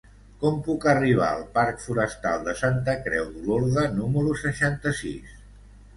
Com puc arribar al parc Forestal de Santa Creu d'Olorda número seixanta-sis?